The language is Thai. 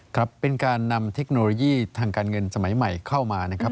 ครับเป็นการนำเทคโนโลยีทางการเงินสมัยใหม่เข้ามานะครับ